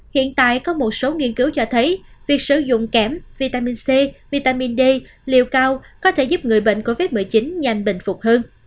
hiện tại có một số nghiên cứu cho thấy việc sử dụng kẻm vitamin c vitamin d liều cao có thể giúp người bệnh covid một mươi chín nhanh bình phục hơn